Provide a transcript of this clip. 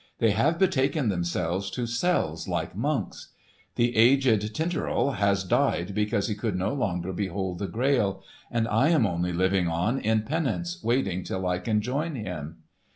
They have betaken themselves to cells like monks. The aged Titurel has died because he could no longer behold the Grail; and I am only living on in penance waiting till I can join him."